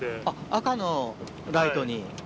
赤のライトにへぇ。